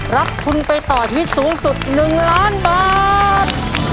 รับทุนไปต่อชีวิตสูงสุด๑ล้านบาท